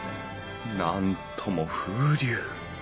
なんとも風流！